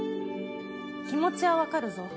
気持ちは分かるぞ。